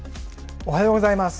おはようございます。